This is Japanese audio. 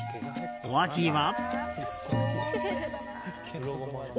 お味は。